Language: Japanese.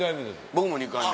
僕も２回目。